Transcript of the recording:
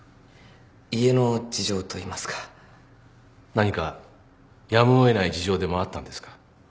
何かやむを得ない事情でもあったんですか？